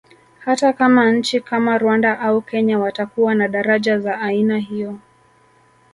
Hata kama nchi kama Rwanda au Kenya watakuwa na daraja za aina hiyo